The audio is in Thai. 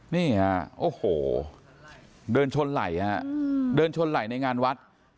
เนี่ยโอ้โหเดินชนไหลในงานวัด